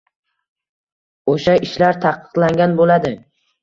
o‘sha ishlar taqiqlangan bo‘ladi.